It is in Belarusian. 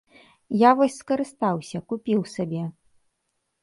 Я вось скарыстаўся, купіў сабе.